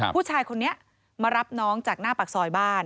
ผู้ชายคนนี้มารับน้องจากหน้าปากซอยบ้าน